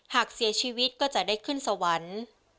หากเสียชีวิตก็จะได้ขึ้นสวรรค์